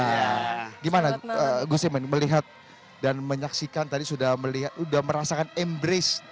nah gimana gus muhaymin melihat dan menyaksikan tadi sudah melihat sudah merasakan embrace